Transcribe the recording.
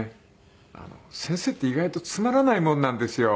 先生って意外とつまらないものなんですよ。